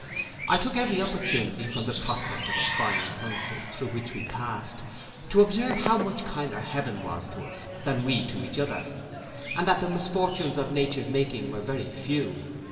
I took every opportunity, from the prospect of a fine country, through which we passed, to observe how much kinder heaven was to us, than we to each other, and that the misfortunes of nature's making were very few.